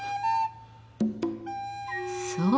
そう。